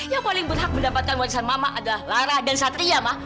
yang paling berhak mendapatkan wacana mama adalah lara dan satria mah